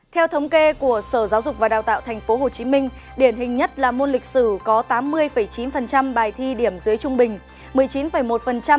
theo thống kê của sở giáo dục và đào tạo tp hcm điển hình nhất là môn lịch sử có tám mươi chín bài thi điểm dưới trung bình